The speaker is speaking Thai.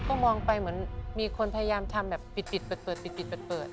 ก็มองไปเหมือนมีคนพยายามทำแบบปิดเปิดปิดเปิด